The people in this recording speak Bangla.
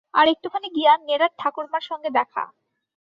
আর একটুখানি গিয়া নেড়ার ঠাকুরমার সঙ্গে দেখা।